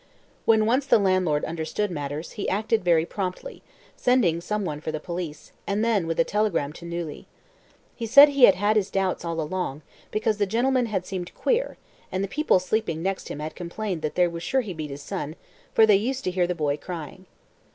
When once the landlord understood matters, he acted very promptly, sending some one for the police, and then with a telegram to Neuilly. He said he had had his doubts all along, because the gentleman had seemed queer, and the people sleeping next him had complained that they were sure he beat his son, for they used to hear the boy crying.